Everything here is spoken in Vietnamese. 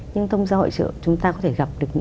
nhưng thông qua hội trợ chúng ta có thể gặp được những